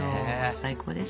最高です。